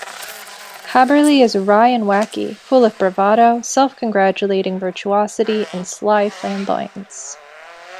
Haberle is wry and wacky, full of bravado, self-congratulating virtuosity, and sly flamboyance.